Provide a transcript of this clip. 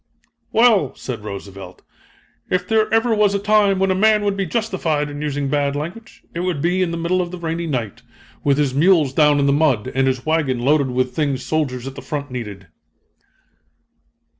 "Well," said Roosevelt, "if there ever was a time when a man would be justified in using bad language, it would be in the middle of a rainy night, with his mules down in the mud and his wagon loaded with things soldiers at the front needed."